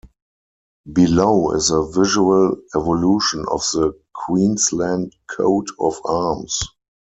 Below is a visual evolution of the Queensland coat of arms.